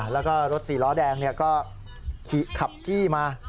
แล้วก็รถสี่ล้อแดงก็ขับจี้มา